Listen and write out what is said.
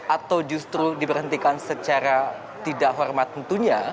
atau justru diberhentikan secara tidak hormat tentunya